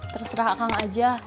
terserah kang aja